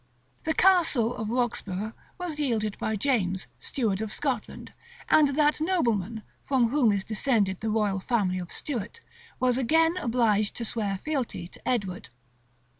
The Castle of Roxburgh was yielded by James, steward of Scotland; and that nobleman, from whom is descended the royal family of Stuart, was again obliged to swear fealty to Edward.